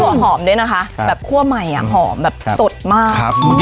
แล้วหัวหอมด้วยนะคะค่ะคั่วใหม่อ่ะหอมแบบสุดมากครับ